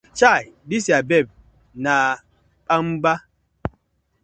Chai dis yur babe na kpangba.